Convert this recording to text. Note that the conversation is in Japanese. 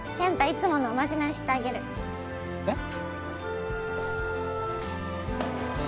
いつものおまじないしてあげるえっ？